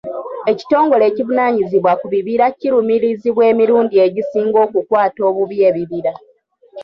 Ekitongole ekivunaanyizibwa ku bibira kirumirizibwa emirundi egisinga okukwata obubi ebibira.